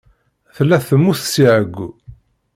Tella temmut si ɛeyyu.